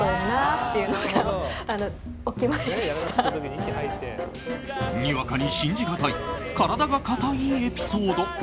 にわかに信じがたい体が硬いエピソード。